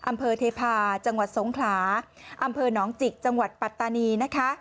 อำเภอเทพาะจังหวัดสงขลาอำเภอหนองจิกจังหวัดปัตตานีนะคะ